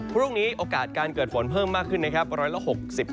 โอกาสการเกิดฝนเพิ่มมากขึ้นนะครับ